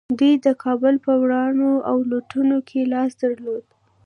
دوی د کابل په ورانولو او لوټولو کې لاس درلود